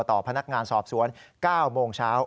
ต่อพนักงานสอบสวน๙โมงเช้า